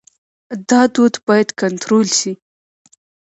دا دود باید کنټرول شي.